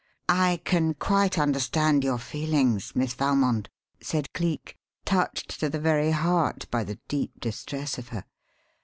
"I can quite understand your feelings, Miss Valmond," said Cleek, touched to the very heart by the deep distress of her.